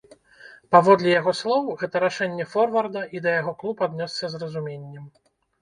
Паводле яго слоў, гэта рашэнне форварда і да яго клуб аднёсся з разуменнем.